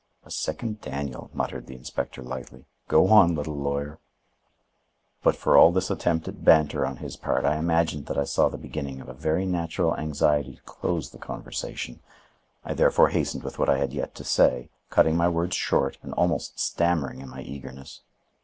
"A second Daniel," muttered the inspector lightly. "Go on, little lawyer!" But for all this attempt at banter on his part, I imagined that I saw the beginning of a very natural anxiety to close the conversation. I therefore hastened with what I had yet to say, cutting my words short and almost stammering in my eagerness.